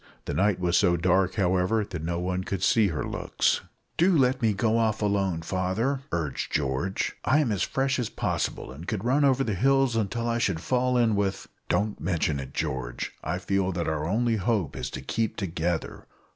The night was so dark, however, that no one could see her looks. "Do let me go off alone, father," urged George; "I am as fresh as possible, and could run over the hills until I should fall in with " "Don't mention it, George; I feel that our only hope is to keep together.